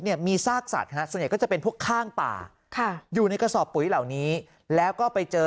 เนี่ยมีซากสัตว์ฮะส่วนใหญ่ก็จะเป็นพวกข้างป่าค่ะอยู่ในกระสอบปุ๋ยเหล่านี้แล้วก็ไปเจอ